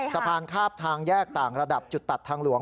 คาบทางแยกต่างระดับจุดตัดทางหลวง